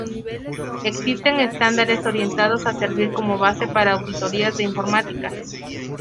Existen estándares orientados a servir como base para auditorías de informática.